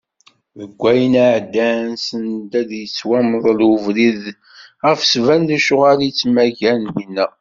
Deg wayen iɛeddan, send ad yettwamdel ubrid ɣef sebba n lecɣal i yettmaggan dinna.